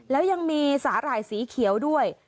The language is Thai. แล้วยังมีสาหร่ายสีเขียวด้วย